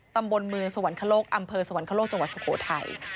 ตำบลเมืองสวรรคโลกอำเภอสวรรคโลกจังหวัดสุโขทัย